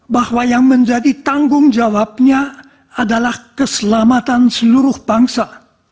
bahwa yang menjadi tanggung jawabnya adalah keselamatan seluruh bangsa